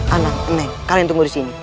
anak anak kalian tunggu disini